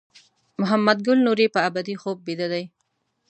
محمد ګل نوري په ابدي خوب بیده دی.